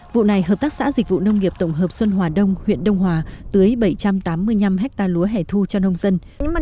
vụ này hợp tác xã dịch vụ nông nghiệp tổng hợp xuân hòa đông huyện đông hòa tưới bảy trăm tám mươi năm hectare lúa hẻ thu cho nông dân